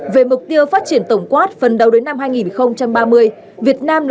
về mục tiêu phát triển tổng quát phần đầu đến năm hai nghìn ba mươi